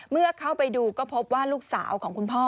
เมื่อเข้าไปดูก็พบว่าลูกสาวของคุณพ่อ